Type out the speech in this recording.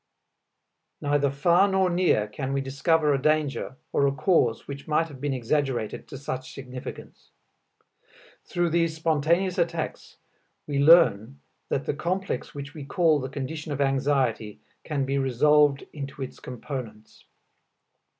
Neither far nor near can we discover a danger or a cause which might have been exaggerated to such significance. Through these spontaneous attacks we learn that the complex which we call the condition of anxiety can be resolved into its components.